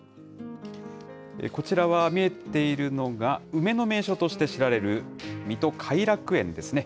こちらは見えているのが、梅の名所として知られる水戸・偕楽園ですね。